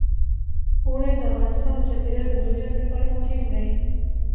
اوړي د افغانستان د چاپیریال د مدیریت لپاره مهم دي.